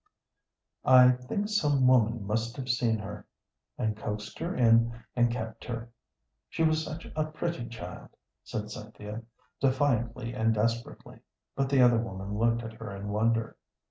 "I think some woman must have seen her, and coaxed her in and kept her, she was such a pretty child," said Cynthia, defiantly and desperately. But the other woman looked at her in wonder.